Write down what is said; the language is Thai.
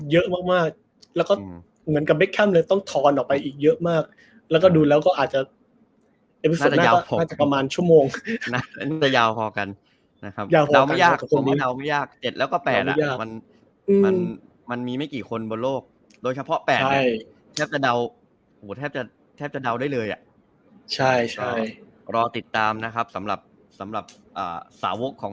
เฉพาะ๘แล้วก็แทบจะแทบแต่ดาวได้เลยใช่รอติดตามนะครับสำหรับสาวของ